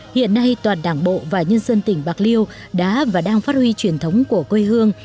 hiện nay toàn đảng bộ và nhân dân tỉnh bạc liêu đã và đang phát huy truyền thống của quê hương